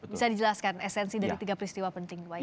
bisa dijelaskan esensi dari tiga peristiwa penting